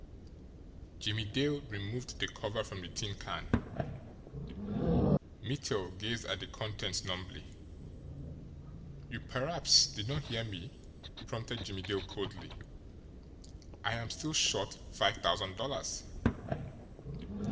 Jimmie Dale removed the cover from the tin can. Mittel gazed at the contents numbly. "You perhaps did not hear me?" prompted Jimmie Dale coldly. "I am still short five thousand dollars."